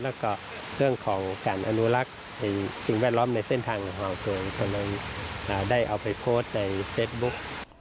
แล้วก็เรื่องของการอนุลักษณ์ในสิ่งแวดล้อมในเส้นทางห่างตรงคนนั้นได้เอาไปโพสต์ในเฟสบุ๊ค